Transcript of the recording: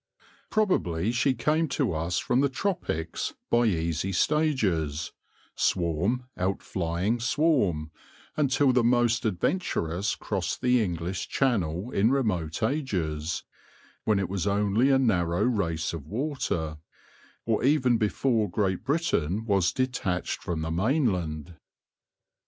Probably she came to us from the tropics by easy stages, swarm outflying swarm, until the most adventurous crossed the English Channel in remote ages, when it was only a narrow race of water, or even before Great Britain was de tached from the mainland.